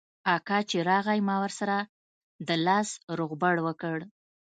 اکا چې راغى ما ورسره د لاس روغبړ وکړ.